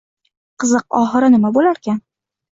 Qiziq, oxiri nima bo‘larkan?